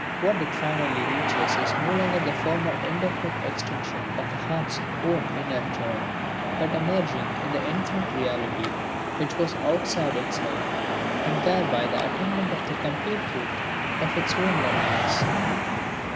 What it finally reaches is no longer the former indefinite extension of the heart's own inner joy, but a merging in the infinite reality which was outside itself, and thereby the attainment of the complete truth of its own longings.